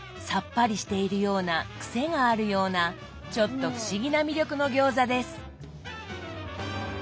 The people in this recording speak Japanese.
さっぱりしているようなクセがあるようなちょっと不思議な魅力の餃子です。